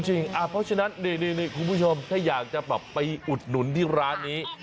เพราะฉะนั้นนี่คุณผู้ชมถ้าอยากจะไปอุดหนุนที่ร้านนี้